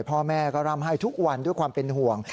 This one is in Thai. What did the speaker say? พ่อแม่ก็ร่ำให้ทุกวันด้วยความเป็นห่วง